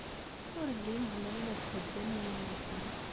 Ur llin zemren ad ḥudden iman-nsen.